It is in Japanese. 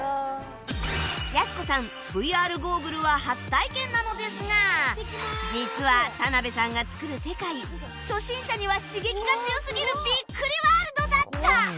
やす子さん ＶＲ ゴーグルは初体験なのですが実はタナベさんが作る世界初心者には刺激が強すぎるびっくりワールドだった！